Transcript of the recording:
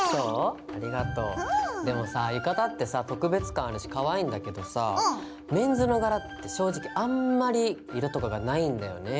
でもさ浴衣ってさ特別感あるしかわいいんだけどさぁメンズの柄って正直あんまり色とかがないんだよね。